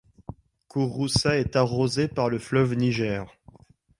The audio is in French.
Kouroussa est arrosée par le fleuve Niger.